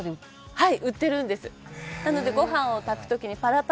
「はい。